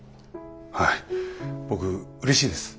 はい僕うれしいです。